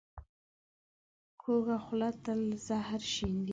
کوږه خوله تل زهر شیندي